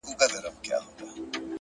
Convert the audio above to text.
اوس په ځان پوهېږم چي مين يمه’